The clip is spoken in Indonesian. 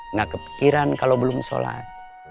nggak kepikiran kalau belum sholat